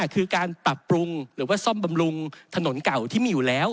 คือการปรับปรุงหรือว่าซ่อมบำรุงถนนเก่าที่มีอยู่แล้ว